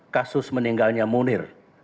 kasus meninggalnya munir